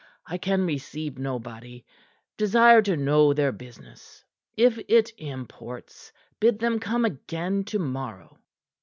"I can receive nobody. Desire to know their business. If it imports, bid them come again to morrow."